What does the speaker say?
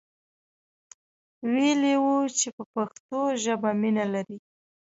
ویلی وو چې په پښتو ژبه مینه لري.